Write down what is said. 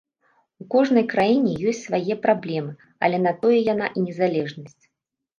У кожнай краіне ёсць свае праблемы, але на тое яна і незалежнасць.